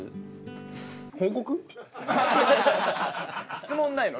質問ないの？